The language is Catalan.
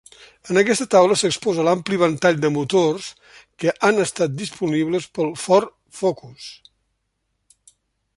En aquesta taula s'exposa l'ampli ventall de motors que han estat disponibles pel Ford Focus.